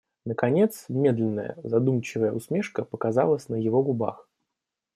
Наконец медленная, задумчивая усмешка показалась на его губах.